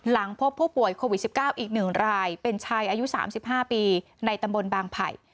หลังพบผู้ป่วยโควิด๑๙อีก๑รายเป็นชายอายุ๓๕ปีในตำบลบางไผ่